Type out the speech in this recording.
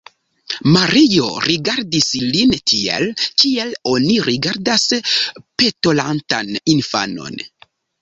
Mario rigardis lin tiel, kiel oni rigardas petolantan infanon.